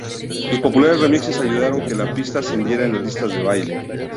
Sus populares remixes ayudaron que la pista ascendiera en las listas de baile.